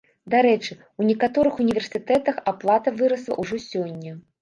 Дарэчы, у некаторых універсітэтах аплата вырасла ўжо сёння.